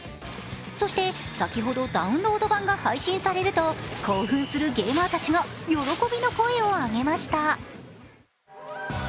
そして先ほどダウンロード版が配信されると興奮するゲーマーたちが喜びの声を上げました。